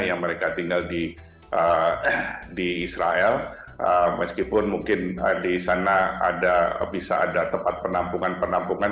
yang mereka tinggal di israel meskipun mungkin di sana bisa ada tempat penampungan penampungan